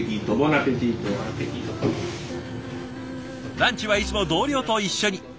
ランチはいつも同僚と一緒に。